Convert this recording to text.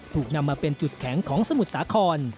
ถูกนำมาเป็นจุดแข็งของสมุทรสาคร